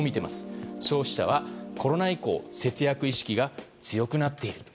消費者はコロナ以降節約意識が強くなっている。